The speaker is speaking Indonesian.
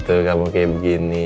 tuh kamu kayak begini